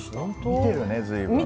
見てるね、随分。